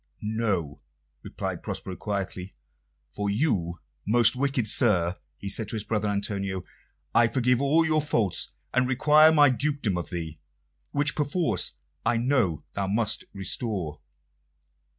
"No," replied Prospero quietly. "For you, most wicked sir," he said to his brother Antonio, "I forgive all your faults, and require my dukedom of thee, which perforce I know thou must restore."